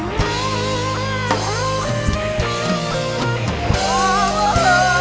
เสียงราว